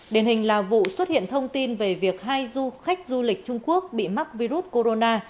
điển hình là vụ xuất hiện thông tin về việc hai du khách du lịch trung quốc bị mắc virus corona